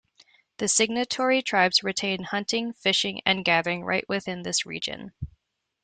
The signatory tribes retain hunting, fishing and gathering right within this region.